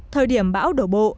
thời điểm bão đổ bộ